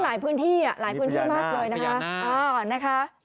หลายพื้นที่หลายพื้นที่มากเลยนะคะ